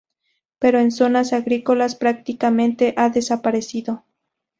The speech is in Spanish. Pero en zonas agrícolas prácticamente ha desaparecido.